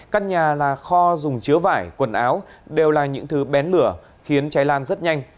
căn nhà là kho dùng chứa vải quần áo đều là những thứ bén lửa khiến cháy lan rất nhanh